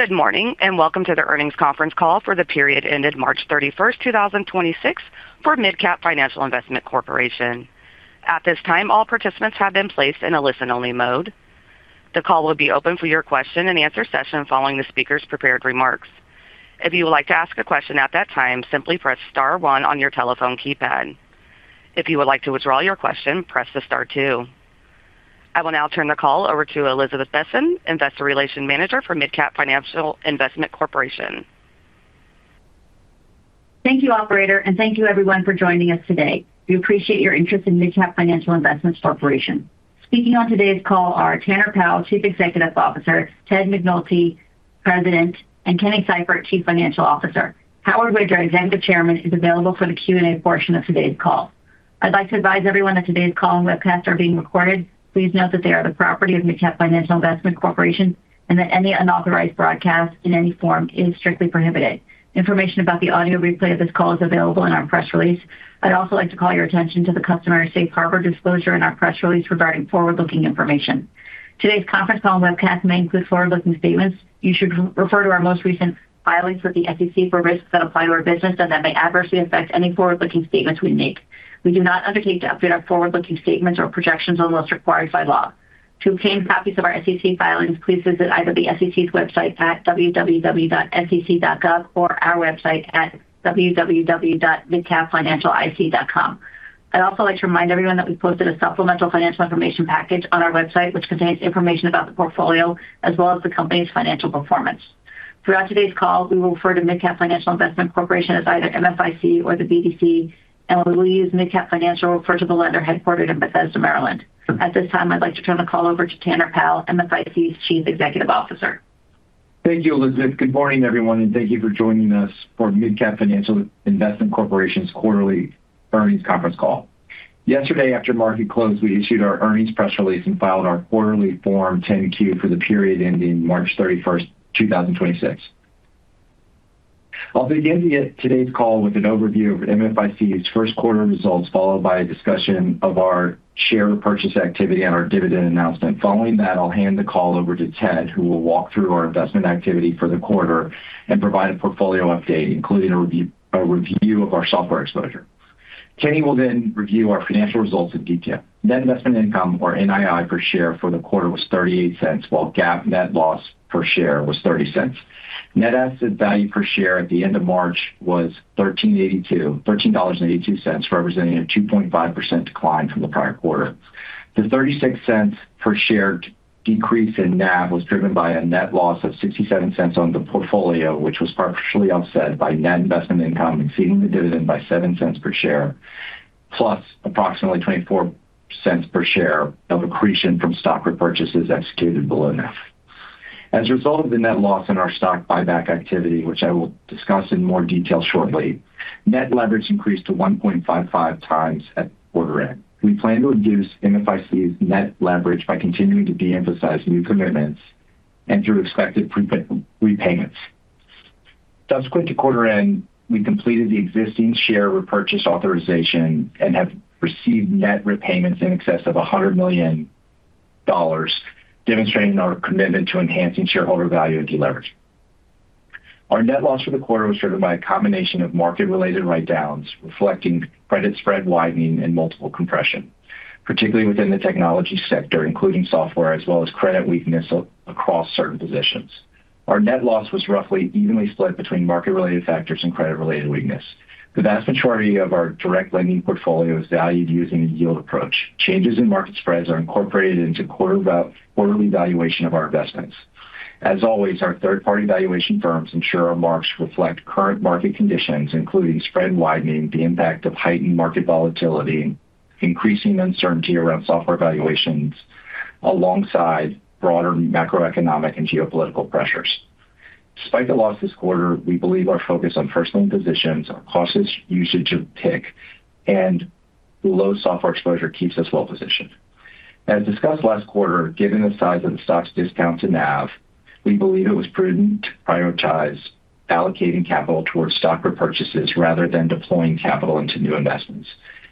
Good morning, welcome to the earnings conference call for the period ended March 31st, 2026 for MidCap Financial Investment Corporation. At this time, all participants have been placed in a listen-only mode. The call will be open for your question-and-answer session following the speaker's prepared remarks. If you would like to ask a question at that time, simply press star one on your telephone keypad. If you would like to withdraw your question, press the star two. I will now turn the call over to Elizabeth Besen, Investor Relations Manager for MidCap Financial Investment Corporation. Thank you, operator, and thank you everyone for joining us today. We appreciate your interest in MidCap Financial Investment Corporation. Speaking on today's call are Tanner Powell, Chief Executive Officer, Ted McNulty, President, and Kenneth Seifert, Chief Financial Officer. Howard Widra, our Executive Chairman, is available for the Q&A portion of today's call. I'd like to advise everyone that today's call and webcast are being recorded. Please note that they are the property of MidCap Financial Investment Corporation, and that any unauthorized broadcast in any form is strictly prohibited. Information about the audio replay of this call is available in our press release. I'd also like to call your attention to the customary safe harbor disclosure in our press release regarding forward-looking information. Today's conference call and webcast may include forward-looking statements. You should refer to our most recent filings with the SEC for risks that apply to our business and that may adversely affect any forward-looking statements we make. We do not undertake to update our forward-looking statements or projections unless required by law. To obtain copies of our SEC filings, please visit either the SEC's website at www.sec.gov or our website at www.midcapfinancialic.com. I'd also like to remind everyone that we posted a supplemental financial information package on our website, which contains information about the portfolio as well as the company's financial performance. Throughout today's call, we will refer to MidCap Financial Investment Corporation as either MFIC or the BDC, and when we use MidCap Financial, we refer to the lender headquartered in Bethesda, Maryland. At this time, I'd like to turn the call over to Tanner Powell, MFIC's Chief Executive Officer. Thank you, Elizabeth. Good morning, everyone, and thank you for joining us for MidCap Financial Investment Corporation's quarterly earnings conference call. Yesterday, after market close, we issued our earnings press release and filed our quarterly Form 10-Q for the period ending March 31st, 2026. I'll begin today's call with an overview of MFIC's first quarter results, followed by a discussion of our share purchase activity and our dividend announcement. Following that, I'll hand the call over to Ted, who will walk through our investment activity for the quarter and provide a portfolio update, including a review of our SOFR exposure. Kenny will then review our financial results in detail. Net investment income or NII per share for the quarter was $0.38, while GAAP net loss per share was $0.30. Net asset value per share at the end of March was $13.82, representing a 2.5% decline from the prior quarter. The $0.36 per share decrease in NAV was driven by a net loss of $0.67 on the portfolio, which was partially offset by net investment income exceeding the dividend by $0.07 per share, plus approximately $0.24 per share of accretion from stock repurchases executed below NAV. As a result of the net loss in our stock buyback activity, which I will discuss in more detail shortly, net leverage increased to 1.55x at quarter end. We plan to reduce MFIC's net leverage by continuing to de-emphasize new commitments and through expected repayments. Subsequent to quarter end, we completed the existing share repurchase authorization and have received net repayments in excess of $100 million, demonstrating our commitment to enhancing shareholder value and de-leverage. Our net loss for the quarter was driven by a combination of market-related write-downs, reflecting credit spread widening and multiple compression, particularly within the technology sector, including software as well as credit weakness across certain positions. Our net loss was roughly evenly split between market-related factors and credit-related weakness. The vast majority of our direct lending portfolio is valued using a yield approach. Changes in market spreads are incorporated into quarterly valuation of our investments. As always, our third-party valuation firms ensure our marks reflect current market conditions, including spread widening, the impact of heightened market volatility, increasing uncertainty around software valuations alongside broader macroeconomic and geopolitical pressures. Despite the loss this quarter, we believe our focus on first lien positions, our cautious usage of PIK, and low SOFR exposure keeps us well-positioned. As discussed last quarter, given the size of the stock's discount to NAV, we believe it was prudent to prioritize allocating capital towards stock repurchases rather than deploying capital into new investments.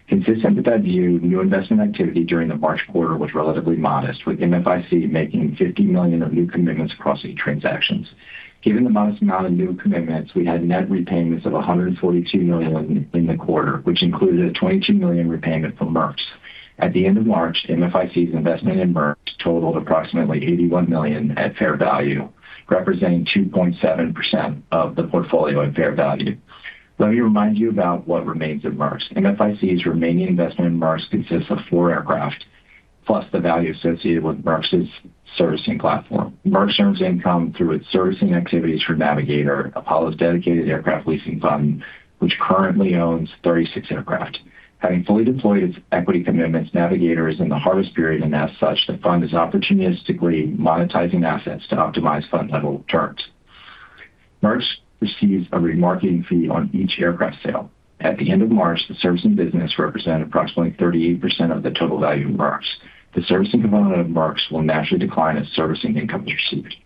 Consistent with that view, new investment activity during the March quarter was relatively modest, with MFIC making $50 million of new commitments across eight transactions. Given the modest amount of new commitments, we had net repayments of $142 million in the quarter, which included a $22 million repayment from Merx. At the end of March, MFIC's investment in Merx totaled approximately $81 million at fair value, representing 2.7% of the portfolio at fair value. Let me remind you about what remains of Merx. MFIC's remaining investment in Merx consists of four aircraft plus the value associated with Merx's servicing platform. Merx earns income through its servicing activities for Navigator, Apollo's dedicated aircraft leasing fund, which currently owns 36 aircraft. Having fully deployed its equity commitments, Navigator is in the harvest period, and as such, the fund is opportunistically monetizing assets to optimize fund level returns. Merx receives a remarketing fee on each aircraft sale. At the end of March, the servicing business represented approximately 38% of the total value of Merx. The servicing component of Merx will naturally decline as servicing income is received.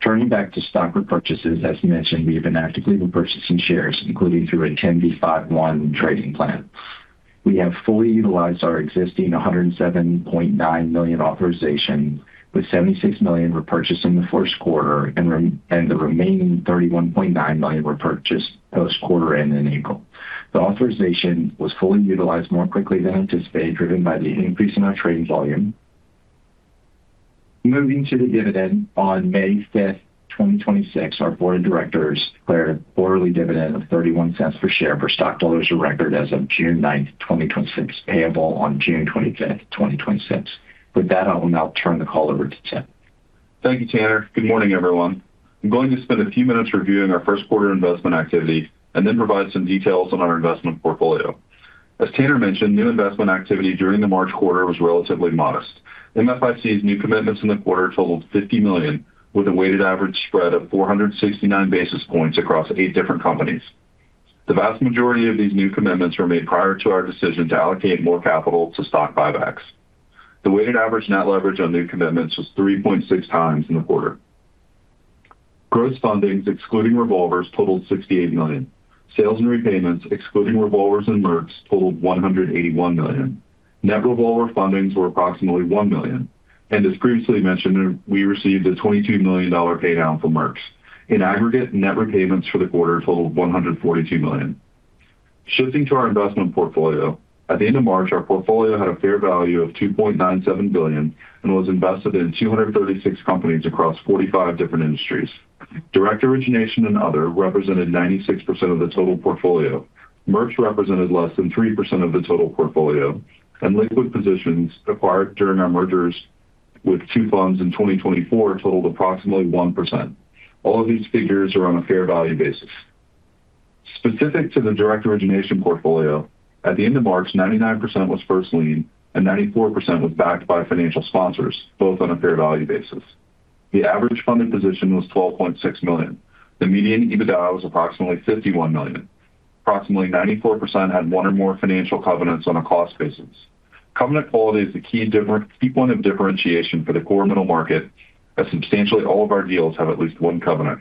Turning back to stock repurchases, as mentioned, we have been actively repurchasing shares, including through a 10b5-1 trading plan. We have fully utilized our existing 107.9 million authorization, with $76 million repurchased in the first quarter, and the remaining $31.9 million repurchased post-quarter end in April. The authorization was fully utilized more quickly than anticipated, driven by the increase in our trading volume. Moving to the dividend. On May 5th, 2026, our board of directors declared a quarterly dividend of $0.31 per share as of record as of June 9th, 2026, payable on June 25th, 2026. With that, I will now turn the call over to Ted McNulty. Thank you, Tanner. Good morning, everyone. I'm going to spend a few minutes reviewing our first quarter investment activity and then provide some details on our investment portfolio. As Tanner mentioned, new investment activity during the March quarter was relatively modest. MFIC's new commitments in the quarter totaled $50 million, with a weighted average spread of 469 basis points across eight different companies. The vast majority of these new commitments were made prior to our decision to allocate more capital to stock buybacks. The weighted average net leverage on new commitments was 3.6x in the quarter. Gross fundings, excluding revolvers, totaled $68 million. Sales and repayments, excluding revolvers and Merx, totaled $181 million. Net revolver fundings were approximately $1 million, and as previously mentioned, we received a $22 million pay down from Merx. In aggregate, net repayments for the quarter totaled $142 million. Shifting to our investment portfolio. At the end of March, our portfolio had a fair value of $2.97 billion and was invested in 236 companies across 45 different industries. Direct origination and other represented 96% of the total portfolio. Merx represented less than 3% of the total portfolio. Liquid positions acquired during our mergers with two funds in 2024 totaled approximately 1%. All of these figures are on a fair value basis. Specific to the direct origination portfolio, at the end of March, 99% was first lien and 94% was backed by financial sponsors, both on a fair value basis. The average funded position was $12.6 million. The median EBITDA was approximately $51 million. Approximately 94% had one or more financial covenants on a cost basis. Covenant quality is the key point of differentiation for the core middle market, as substantially all of our deals have at least one covenant.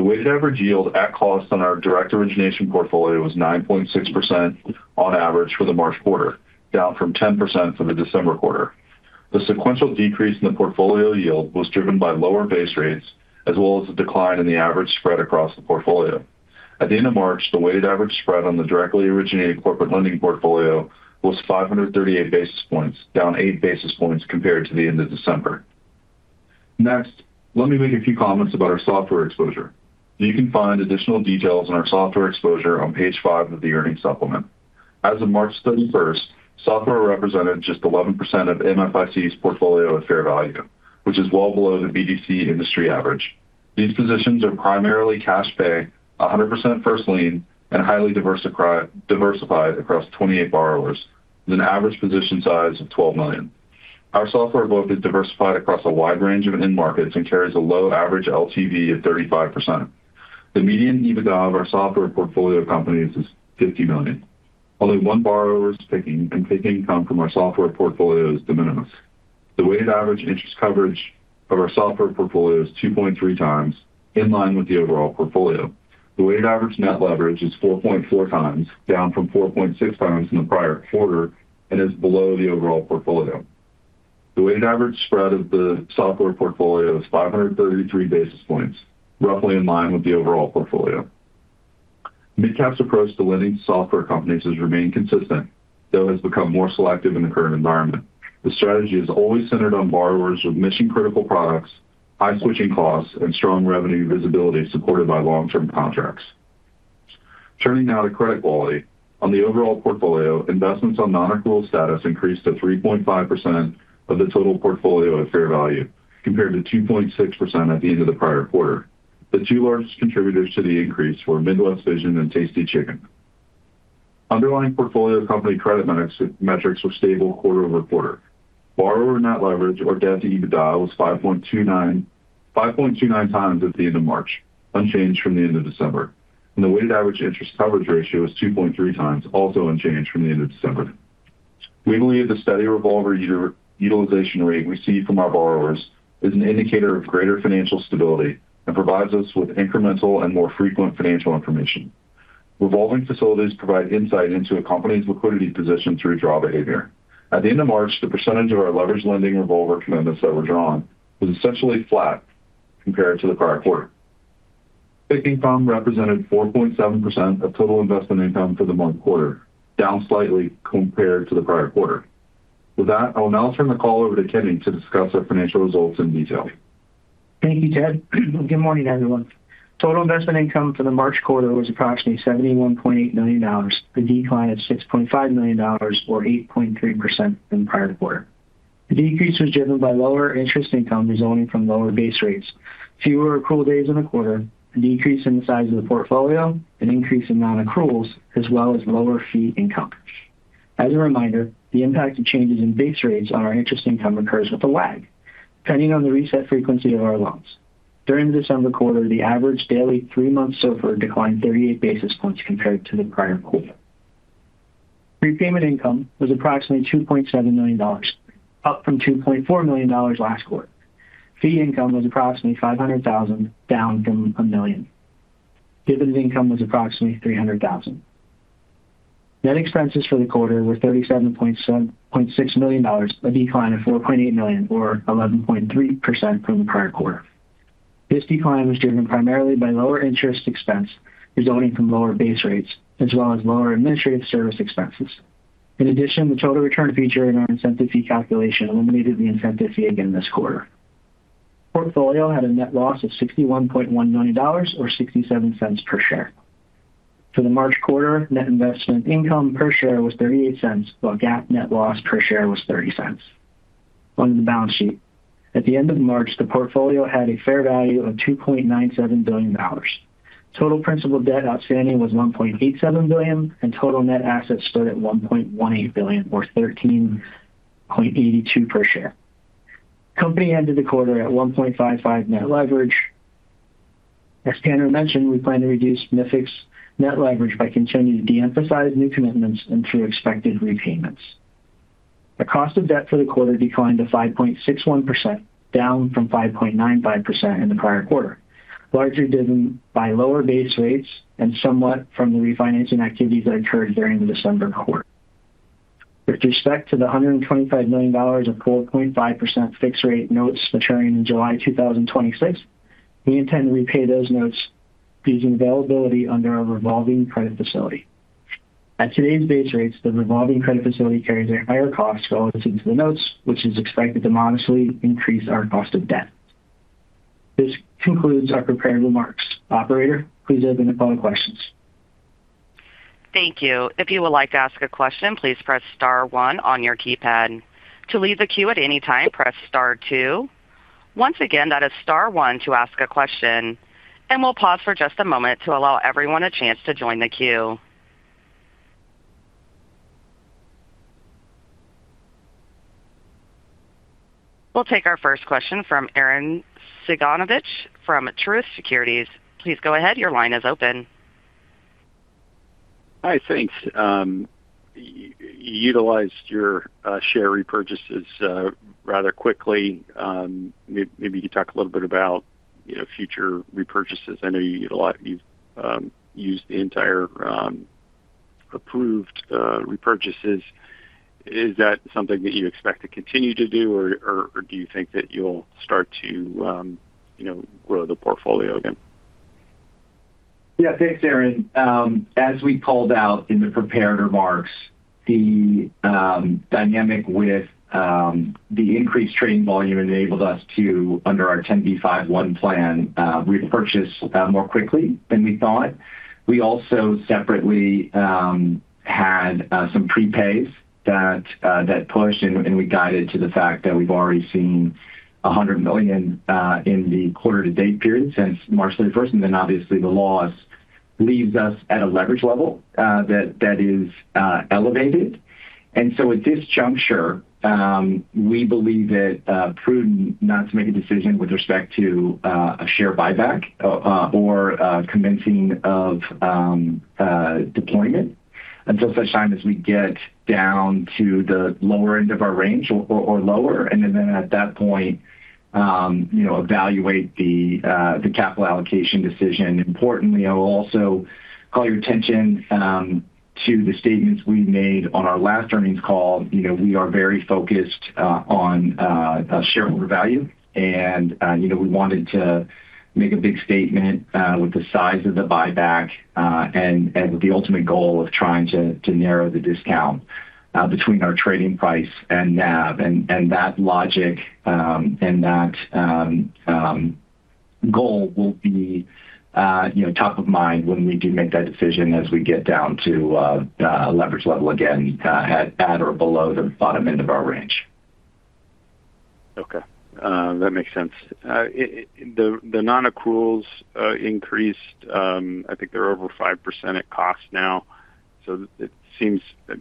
The weighted average yield at cost on our direct origination portfolio was 9.6% on average for the March quarter, down from 10% for the December quarter. The sequential decrease in the portfolio yield was driven by lower base rates as well as the decline in the average spread across the portfolio. At the end of March, the weighted average spread on the directly originated corporate lending portfolio was 538 basis points, down 8 basis points compared to the end of December. Next, let me make a few comments about our SOFR exposure. You can find additional details on our software exposure on page five of the earnings supplement. As of March 31st, software represented just 11% of MFIC's portfolio at fair value, which is well below the BDC industry average. These positions are primarily cash pay, 100% first lien, and highly diversified across 28 borrowers, with an average position size of $12 million. Our software book is diversified across a wide range of end markets and carries a low average LTV of 35%. The median EBITDA of our software portfolio companies is $50 million. Only one borrower's PIK and PIK income from our software portfolio is de minimis. The weighted average interest coverage of our software portfolio is 2.3x, in line with the overall portfolio. The weighted average net leverage is 4.4x, down from 4.6x in the prior quarter, and is below the overall portfolio. The weighted average spread of the SOFR portfolio is 533 basis points, roughly in line with the overall portfolio. MidCap's approach to lending to software companies has remained consistent, though has become more selective in the current environment. The strategy is always centered on borrowers with mission-critical products, high switching costs, and strong revenue visibility supported by long-term contracts. Turning now to credit quality. On the overall portfolio, investments on non-accrual status increased to 3.5% of the total portfolio at fair value compared to 2.6% at the end of the prior quarter. The two largest contributors to the increase were Midwest Vision and Tasty Chick'n. Underlying portfolio company credit metrics were stable quarter-over-quarter. Borrower net leverage or debt to EBITDA was 5.29x at the end of March, unchanged from the end of December. The weighted average interest coverage ratio is 2.3x, also unchanged from the end of December. We believe the steady revolver utilization rate we see from our borrowers is an indicator of greater financial stability and provides us with incremental and more frequent financial information. Revolving facilities provide insight into a company's liquidity position through draw behavior. At the end of March, the percentage of our leveraged lending revolver commitments that were drawn was essentially flat compared to the prior quarter. PIK income represented 4.7% of total investment income for the month quarter, down slightly compared to the prior quarter. With that, I'll now turn the call over to Kenny to discuss our financial results in detail. Thank you, Ted. Good morning, everyone. Total investment income for the March quarter was approximately $71.8 million, a decline of $6.5 million or 8.3% from the prior quarter. The decrease was driven by lower interest income resulting from lower base rates, fewer accrual days in the quarter, a decrease in the size of the portfolio, an increase in non-accruals, as well as lower fee income. As a reminder, the impact of changes in base rates on our interest income occurs with a lag, depending on the reset frequency of our loans. During the December quarter, the average daily three-month SOFR declined 38 basis points compared to the prior quarter. Prepayment income was approximately $2.7 million, up from $2.4 million last quarter. Fee income was approximately $500,000, down from $1 million. Dividend income was approximately $300,000. Net expenses for the quarter were $37.6 million, a decline of $4.8 million or 11.3% from the prior quarter. This decline was driven primarily by lower interest expense resulting from lower base rates as well as lower administrative service expenses. In addition, the total return feature in our incentive fee calculation eliminated the incentive fee again this quarter. Portfolio had a net loss of $61.1 million or $0.67 per share. For the March quarter, net investment income per share was $0.38, while GAAP net loss per share was $0.30. On to the balance sheet. At the end of March, the portfolio had a fair value of $2.97 billion. Total principal debt outstanding was $1.87 billion. Total net assets stood at $1.18 billion or $13.82 per share. Company ended the quarter at 1.55 net leverage. As Tanner mentioned, we plan to reduce MFIC's net leverage by continuing to de-emphasize new commitments and through expected repayments. The cost of debt for the quarter declined to 5.61%, down from 5.95% in the prior quarter, largely driven by lower base rates and somewhat from the refinancing activities that occurred during the December quarter. With respect to the $125 million of 4.5% fixed rate notes maturing in July 2026, we intend to repay those notes using availability under our revolving credit facility. At today's base rates, the revolving credit facility carries a higher cost relative to the notes, which is expected to modestly increase our cost of debt. This concludes our prepared remarks. Operator, please open up for any questions. Thank you. If you would like to ask a question, please press star one on your keypad. To leave the queue at any time, press star two. Once again, that is star one to ask a question. We'll pause for just a moment to allow everyone a chance to join the queue. We'll take our first question from Arren Cyganovich from Truist Securities. Please go ahead. Your line is open. Hi. Thanks. You utilized your share repurchases rather quickly. You could talk a little bit about, you know, future repurchases. I know you've used the entire approved repurchases. Is that something that you expect to continue to do, or do you think that you'll start to, you know, grow the portfolio again? Thanks, Arren. As we called out in the prepared remarks, the dynamic with the increased trading volume enabled us to, under our 10b5-1 plan, repurchase more quickly than we thought. We also separately had some prepays that pushed, and we guided to the fact that we've already seen $100 million in the quarter to date period since March 31st. Obviously the loss leaves us at a leverage level that is elevated. At this juncture, we believe that prudent not to make a decision with respect to a share buyback or commencing of deployment until such time as we get down to the lower end of our range or lower. At that point, you know, evaluate the capital allocation decision. Importantly, I will also call your attention to the statements we made on our last earnings call. You know, we are very focused on shareholder value, and you know, we wanted to make a big statement with the size of the buyback, and with the ultimate goal of trying to narrow the discount between our trading price and NAV. That logic and that goal will be, you know, top of mind when we do make that decision as we get down to leverage level again at or below the bottom end of our range. Okay. That makes sense. The non-accruals increased, I think they're over 5% at cost now, so it seems, I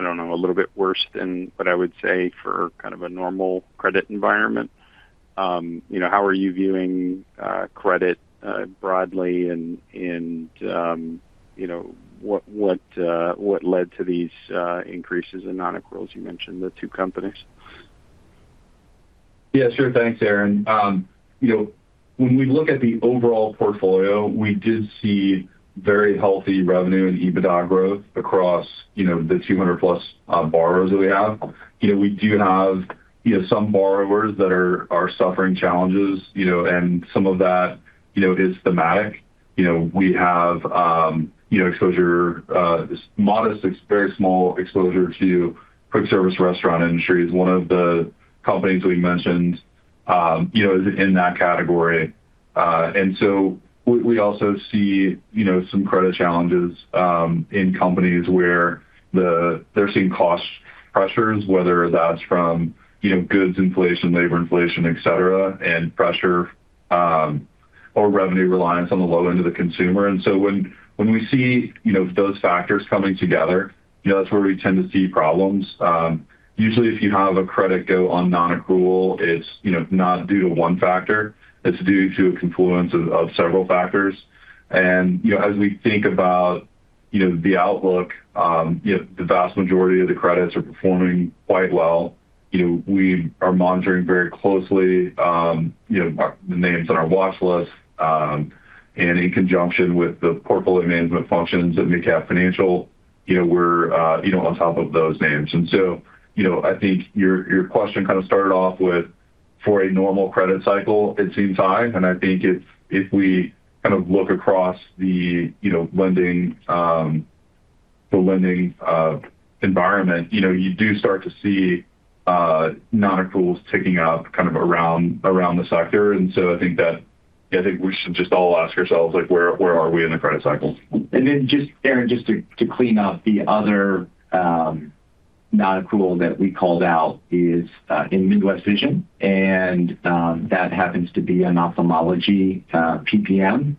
don't know, a little bit worse than what I would say for kind of a normal credit environment. You know, how are you viewing credit broadly and, you know, what led to these increases in non-accruals? You mentioned the two companies. Yeah, sure. Thanks, Arren. You know, when we look at the overall portfolio, we did see very healthy revenue and EBITDA growth across, you know, the 200 plus borrowers that we have. You know, we do have, you know, some borrowers that are suffering challenges, you know, and some of that, you know, is thematic. You know, we have, you know, exposure, it's very small exposure to quick service restaurant industry is one of the companies we mentioned, you know, is in that category. We also see, you know, some credit challenges in companies where they're seeing cost pressures, whether that's from, you know, goods inflation, labor inflation, et cetera, and pressure or revenue reliance on the low end of the consumer. When we see, you know, those factors coming together, you know, that's where we tend to see problems. Usually, if you have a credit go on non-accrual, it's, you know, not due to one factor. It's due to a confluence of several factors. As we think about You know, the outlook, you know, the vast majority of the credits are performing quite well. You know, we are monitoring very closely, you know, the names on our watch list. In conjunction with the portfolio management functions at MidCap Financial, you know, we're, you know, on top of those names. You know, I think your question kind of started off with, for a normal credit cycle, it seems high. I think if we kind of look across the, you know, lending, the lending environment, you know, you do start to see non-accruals ticking up kind of around the sector. I think that Yeah, I think we should just all ask ourselves, like, where are we in the credit cycle? Arren, to clean up the other non-accrual that we called out is in Midwest Vision, and that happens to be an ophthalmology PPM.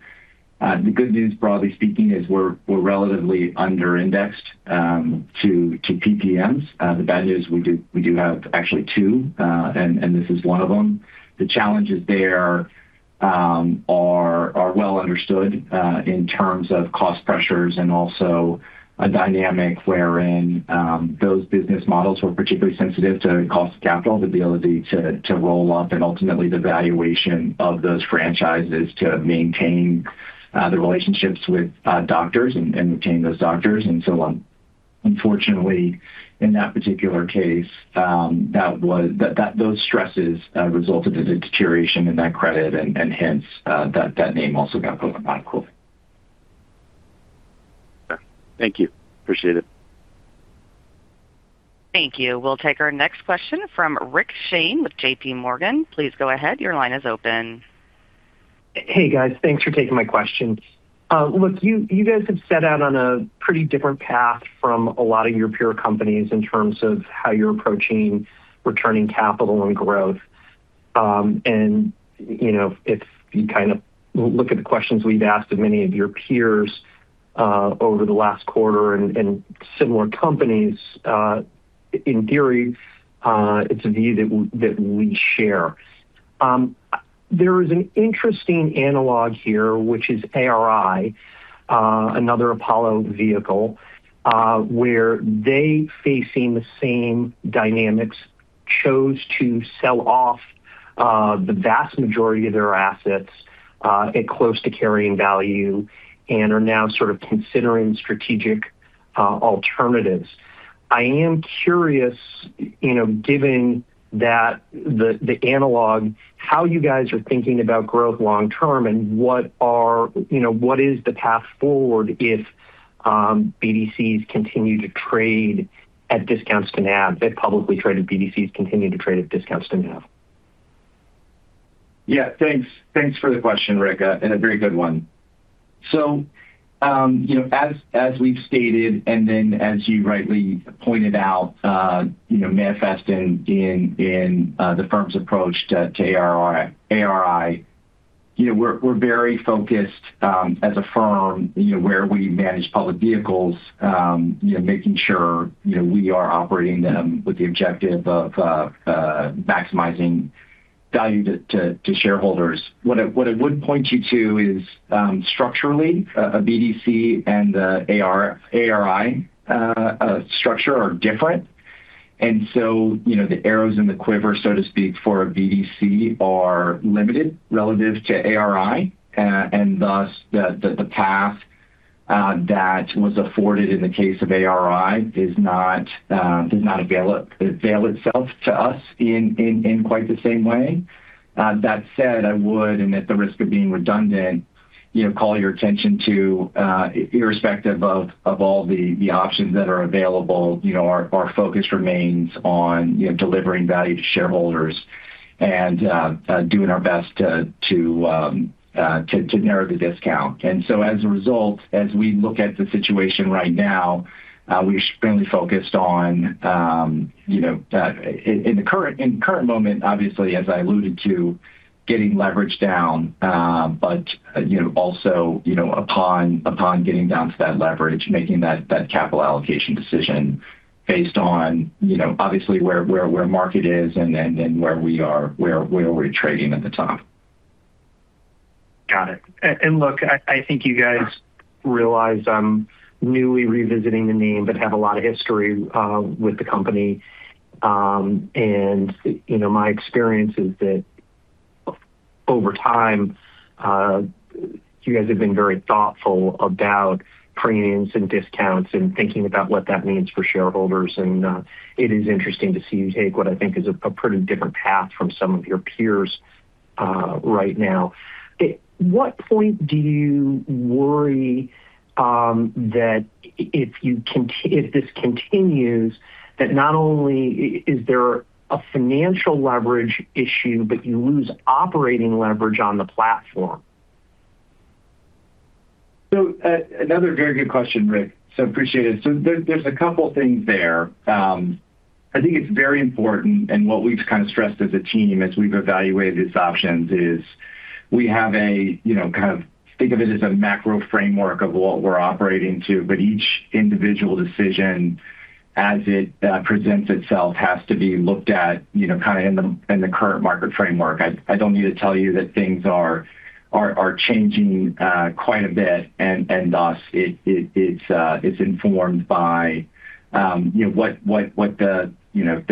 The good news, broadly speaking, is we're relatively under-indexed to PPMs. The bad news, we do have actually two, and this is one of them. The challenges there are well understood in terms of cost pressures and also a dynamic wherein those business models were particularly sensitive to cost of capital, the ability to roll up and ultimately the valuation of those franchises to maintain the relationships with doctors and retain those doctors and so on. Unfortunately, in that particular case, those stresses resulted in a deterioration in that credit and hence, that name also got put on non-accrual. Thank you. Appreciate it. Thank you. We'll take our next question from Rick Shane with JPMorgan. Please go ahead. Hey, guys. Thanks for taking my question. Look, you guys have set out on a pretty different path from a lot of your peer companies in terms of how you're approaching returning capital and growth. You know, if you kind of look at the questions we've asked of many of your peers, over the last quarter and similar companies, in theory, it's a view that we share. There is an interesting analog here, which is ARI, another Apollo vehicle, where they facing the same dynamics chose to sell off the vast majority of their assets at close to carrying value and are now sort of considering strategic alternatives. I am curious, you know, given that the analog, how you guys are thinking about growth long term and what are, you know, what is the path forward if publicly traded BDCs continue to trade at discounts to NAV? Yeah. Thanks. Thanks for the question, Rick. A very good one. You know, as we've stated, as you rightly pointed out, you know, manifesting in the firm's approach to ARI, you know, we're very focused as a firm, you know, where we manage public vehicles, you know, making sure, you know, we are operating them with the objective of maximizing value to shareholders. What I would point you to is structurally a BDC and ARI structure are different. You know, the arrows in the quiver, so to speak, for a BDC are limited relative tp ARI. Thus, the, the path that was afforded in the case of ARI does not avail itself to us in quite the same way. That said, I would, and at the risk of being redundant, you know, call your attention to, irrespective of all the options that are available, you know, our focus remains on, you know, delivering value to shareholders and doing our best to narrow the discount. As a result, as we look at the situation right now, we're mainly focused on, you know, in the current moment, obviously, as I alluded to, getting leverage down. You know, also, you know, upon getting down to that leverage, making that capital allocation decision based on, you know, obviously, where market is and where we are, where we're trading at the time. Got it. And look, I think you guys realize I'm newly revisiting the name but have a lot of history with the company. You know, my experience is that over time, you guys have been very thoughtful about premiums and discounts and thinking about what that means for shareholders. It is interesting to see you take what I think is a pretty different path from some of your peers right now. At what point do you worry that if this continues, that not only is there a financial leverage issue, but you lose operating leverage on the platform? Another very good question, Rick. Appreciate it. There, there's a couple things there. I think it's very important, and what we've kind of stressed as a team as we've evaluated these options is we have a, you know, kind of think of it as a macro framework of what we're operating to, but each individual decision as it presents itself has to be looked at, you know, kind of in the current market framework. I don't need to tell you that things are changing quite a bit and thus it's informed by, you know, what the, you know,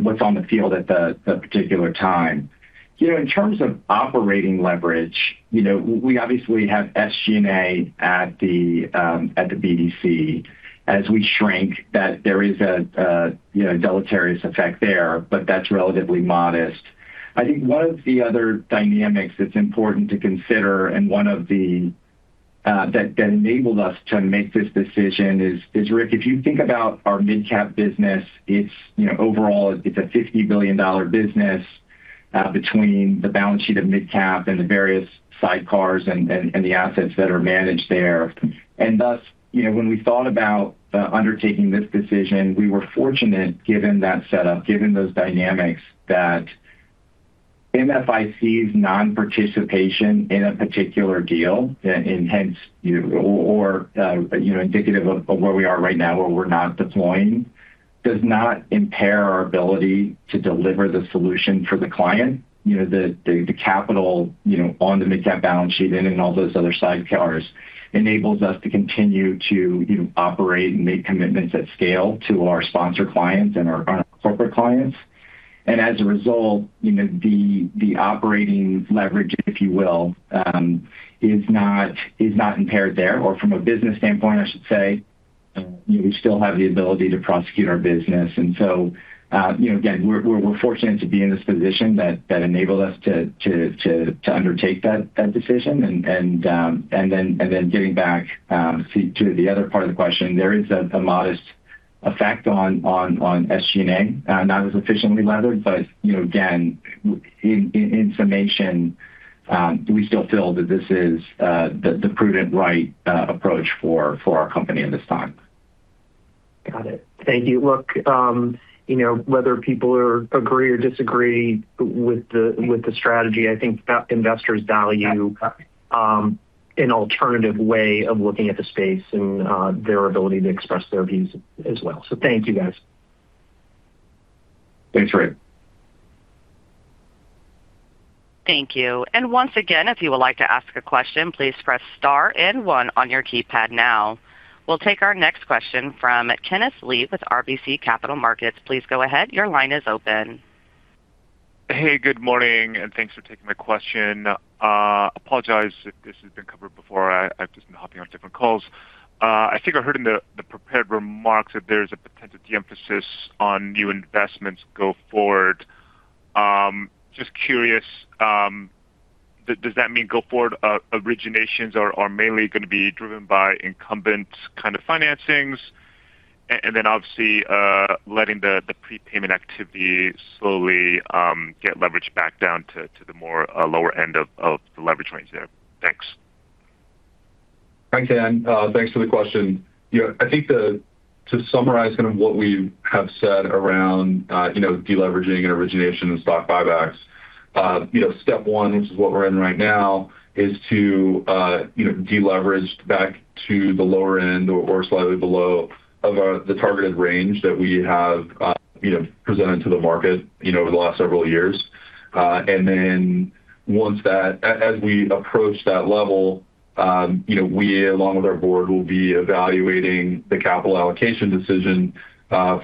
what's on the field at the particular time. You know, in terms of operating leverage, we obviously have SG&A at the BDC. As we shrink that there is a, you know, deleterious effect there, but that's relatively modest. I think one of the other dynamics that's important to consider and one of the that enabled us to make this decision is, Rick, if you think about our MidCap business, it's, you know, overall it's a $50 billion business between the balance sheet of MidCap and the various sidecars and the assets that are managed there. Thus, you know, when we thought about undertaking this decision, we were fortunate given that setup, given those dynamics that MFIC's non-participation in a particular deal, and hence, you know, or, you know, indicative of where we are right now, where we're not deploying, does not impair our ability to deliver the solution for the client. You know, the capital, you know, on the MidCap balance sheet and in all those other sidecars enables us to continue to, you know, operate and make commitments at scale to our sponsor clients and our corporate clients. As a result, you know, the operating leverage, if you will, is not impaired there, or from a business standpoint, I should say. You know, we still have the ability to prosecute our business. So, you know, again, we're fortunate to be in this position that enabled us to undertake that decision. Getting back to the other part of the question, there is a modest effect on SG&A, not as efficiently levered, but, you know, again, in summation, we still feel that this is the prudent right approach for our company in this time. Got it. Thank you. Look, you know, whether people are agree or disagree with the, with the strategy, I think that investors value an alternative way of looking at the space and their ability to express their views as well. Thank you, guys. Thanks, Rick. Thank you. We'll take our next question from Kenneth Lee with RBC Capital Markets. Please go ahead. Your line is open. Hey, good morning, and thanks for taking my question. I apologize if this has been covered before. I've just been hopping on different calls. I think I heard in the prepared remarks that there's a potential de-emphasis on new investments go forward. Just curious, does that mean go forward originations are mainly going to be driven by incumbent kind of financings? Then obviously, letting the prepayment activity slowly get leverage back down to the more lower end of the leverage range there. Thanks. Thanks, Ken. Thanks for the question. You know, I think the to summarize kind of what we have said around, you know, deleveraging and origination and stock buybacks, you know, step one, which is what we're in right now, is to, you know, deleverage back to the lower end or slightly below of, the targeted range that we have, you know, presented to the market, you know, over the last several years. Then once that as we approach that level, you know, we, along with our board, will be evaluating the capital allocation decision,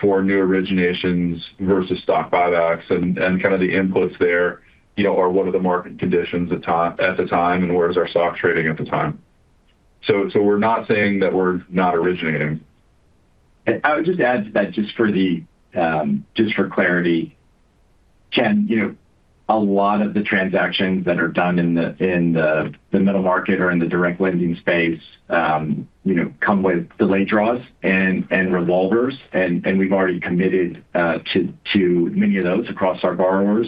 for new originations versus stock buybacks. Kind of the inputs there, you know, are what are the market conditions at the time and where is our stock trading at the time. We're not saying that we're not originating. I would just add to that just for the clarity, Ken, a lot of the transactions that are done in the middle market or in the direct lending space come with delayed draws and revolvers. We've already committed to many of those across our borrowers.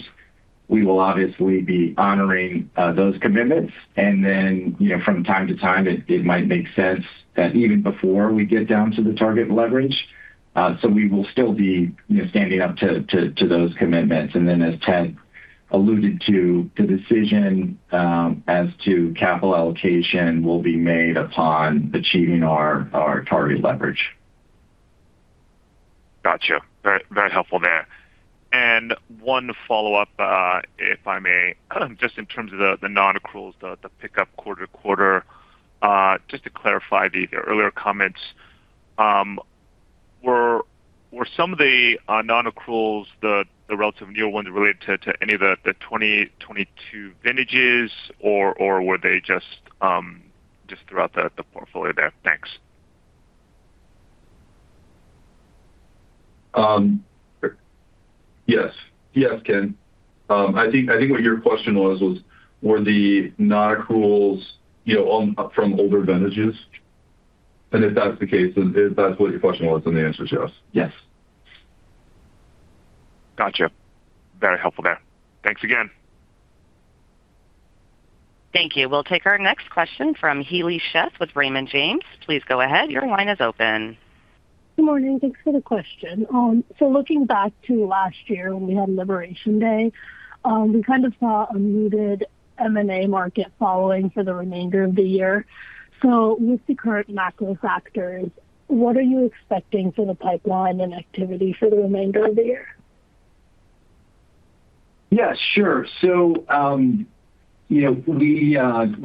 We will obviously be honoring those commitments. From time to time, it might make sense that even before we get down to the target leverage, we will still be standing up to those commitments. As Ted alluded to, the decision as to capital allocation will be made upon achieving our target leverage. Gotcha. Very, very helpful there. One follow-up, if I may, just in terms of the non-accruals, the pickup quarter to quarter. Just to clarify the earlier comments, were some of the non-accruals the relative new ones related to any of the 2022 vintages or were they just throughout the portfolio there? Thanks. Yes. Yes, Ken. I think what your question was were the non-accruals, you know, from older vintages? If that's the case, if that's what your question was, then the answer is yes. Yes. Gotcha. Very helpful there. Thanks again. Thank you. We'll take our next question from Heli Sheth with Raymond James. Please go ahead. Good morning. Thanks for the question. Looking back to last year when we had [Liberation] Day, we kind of saw a muted M&A market following for the remainder of the year. With the current macro factors, what are you expecting for the pipeline and activity for the remainder of the year? Yeah, sure. You know, we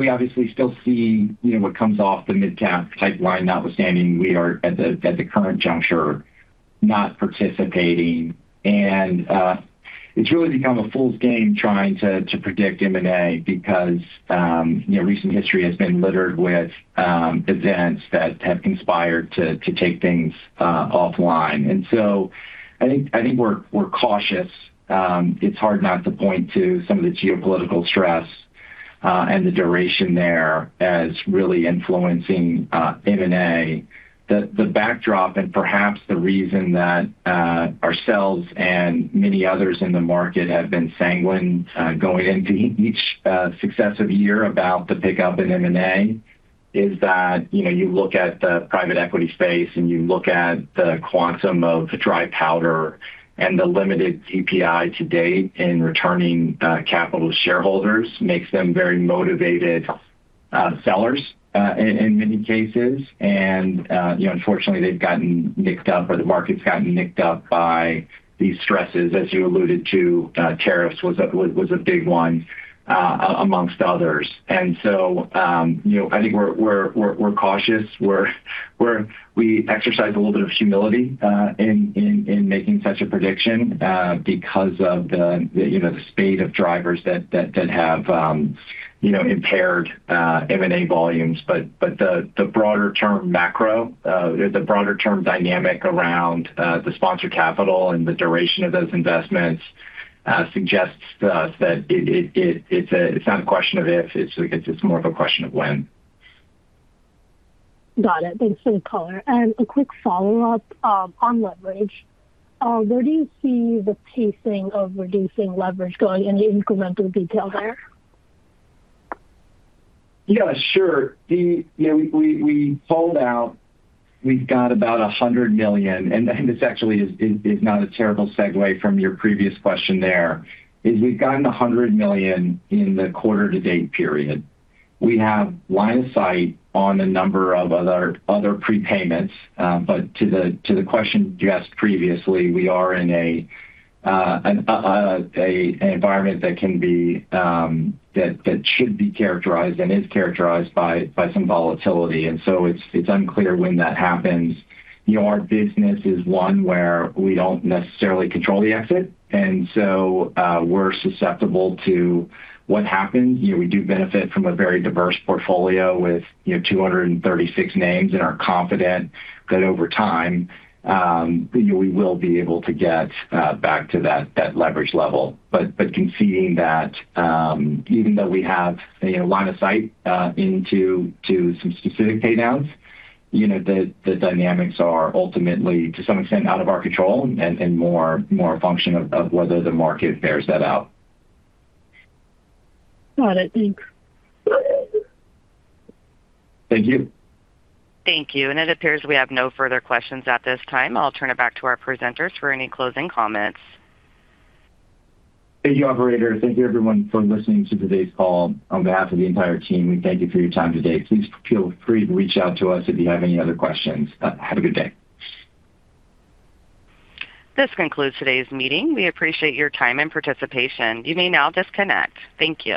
obviously still see, you know, what comes off the mid-cap pipeline notwithstanding we are at the current juncture not participating. It's really become a fool's game trying to predict M&A because, you know, recent history has been littered with events that have conspired to take things offline. I think we're cautious. It's hard not to point to some of the geopolitical stress and the duration there as really influencing M&A. The backdrop and perhaps the reason that ourselves and many others in the market have been sanguine going into each successive year about the pickup in M&A is that, you know, you look at the private equity space and you look at the quantum of the dry powder and the limited DPI to date in returning capital to shareholders makes them very motivated sellers in many cases. You know, unfortunately, they've gotten nicked up or the market's gotten nicked up by these stresses, as you alluded to. Tariffs was a big one amongst others. You know, I think we're cautious. We exercise a little bit of humility in making such a prediction because of the, you know, the spate of drivers that have, you know, impaired M&A volumes. The broader term macro, the broader term dynamic around the sponsored capital and the duration of those investments suggests to us that it's not a question of if, it's more of a question of when. Got it. Thanks for the color. A quick follow-up on leverage. Where do you see the pacing of reducing leverage going any incremental detail there? Yeah, sure. You know, we called out we've got about $100 million. This actually is not a terrible segue from your previous question there, is we've gotten $100 million in the quarter to date period. We have line of sight on a number of other prepayments. To the question you asked previously, we are in an environment that can be, that should be characterized and is characterized by some volatility. It's unclear when that happens. You know, our business is one where we don't necessarily control the exit. We're susceptible to what happens. You know, we do benefit from a very diverse portfolio with, you know, 236 names and are confident that over time, you know, we will be able to get back to that leverage level. Conceding that, even though we have, you know, line of sight into some specific pay downs, you know, the dynamics are ultimately, to some extent, out of our control and more a function of whether the market bears that out. Got it. Thanks. Thank you. Thank you. It appears we have no further questions at this time. I'll turn it back to our presenters for any closing comments. Thank you, operator. Thank you everyone for listening to today's call. On behalf of the entire team, we thank you for your time today. Please feel free to reach out to us if you have any other questions. Have a good day. This concludes today's meeting. We appreciate your time and participation. You may now disconnect. Thank you.